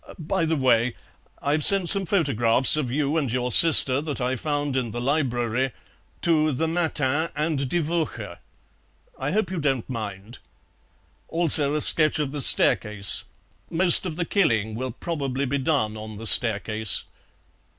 By the way, I've sent some photographs of you and your sister, that I found in the library, to the MATIN and DIE WOCHE; I hope you don't mind. Also a sketch of the staircase; most of the killing will probably be done on the staircase."